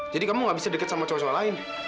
jadi kamu gak bisa deket sama cowok cowok lain